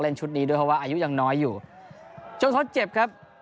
เล่นชุดดีด้วยเพราะว่าอายุยังน้อยอยู่โชคทศเจ็บครับ